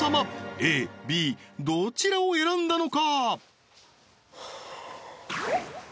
ＡＢどちらを選んだのか？